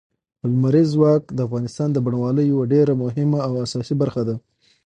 لمریز ځواک د افغانستان د بڼوالۍ یوه ډېره مهمه او اساسي برخه ده.